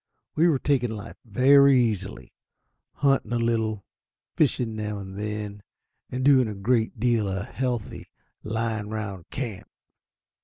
We were taking life very easily hunting a little, fishing now and then, and doing a great deal of healthy "lying round camp."